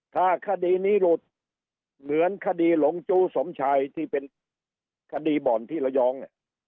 ถ้าคดีนี้หลุดเหมือนคดีหลงจู้สมชัยที่เป็นคดีบ่อนที่ระยอง